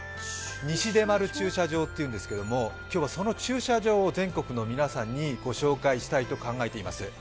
西出丸駐車場というんですけれども、今日はその駐車場を全国の皆さんに紹介したいと思っています。